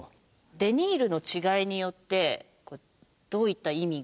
デニールの違いによってどういった意味が？